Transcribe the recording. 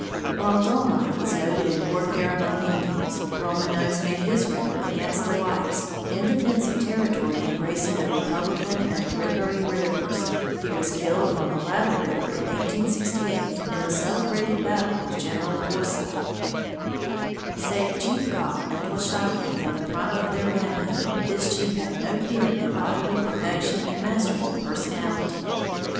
While Dull Knife was noted in warfare among Indians, Roman Nose made his record against the whites, in defense of territory embracing the Republican and Arickaree rivers. He was killed on the latter river in 1868, in the celebrated battle with General Forsythe. Save Chief Gall and Washakie in the prime of their manhood, this chief had no peer in bodily perfection and masterful personality.